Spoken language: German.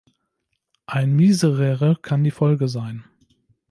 Ein Miserere kann die Folge sein.